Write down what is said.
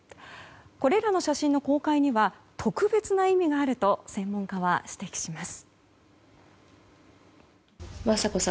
これらの写真の公開には特別な意味があると専門家は指摘します。